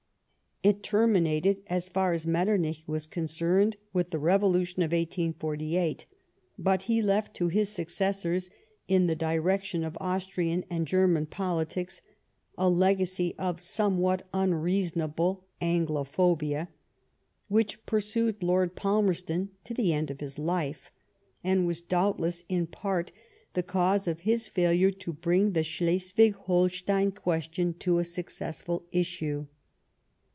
It terminated, as far as Metternioh was concerned, with the revolution of 1848 ; but he left to his successors in the direction of Austrian and German politics a legacy of somewhat unreasonable Anglophobia, which pursued Lord Palmerston to the end of his life, and was doubtless in part the cause of his failure to bring the Schleswig Holstein question to a successful issue.